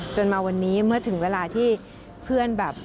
จนมาวันนี้เมื่อถึงเวลาที่เพื่อนแบบ